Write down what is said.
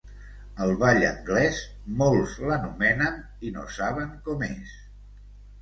El ball anglès, molts l'anomenen i no saben com és.